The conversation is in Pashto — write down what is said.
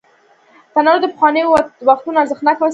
تنور د پخوانیو وختونو ارزښتناکه وسیله ده